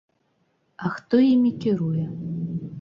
А хто імі кіруе?